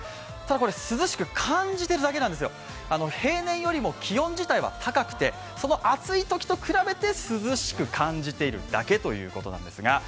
これ、涼しく感じているだけなんですよ、平年よりも気温自体は高くてその暑いときと比べて涼しく感じているだけということなんですが。